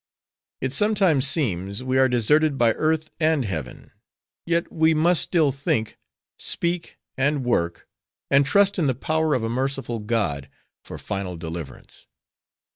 It sometimes seems we are deserted by earth and Heaven yet we must still think, speak and work, and trust in the power of a merciful God for final deliverance.